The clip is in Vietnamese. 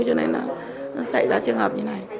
cho nên là nó xảy ra trường hợp như này